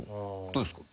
どうですか？